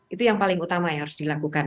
itu yang paling utama yang harus dilakukan